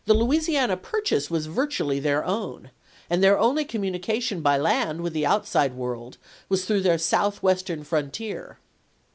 Louisiana Purchase was virtually their own ; and their only communication by land with the outside world was through their southwestern frontier.